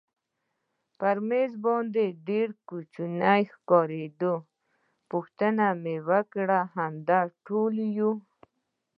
پر مېز باندې ډېر کوچنی ښکارېده، پوښتنه یې وکړل همدا ټول یو؟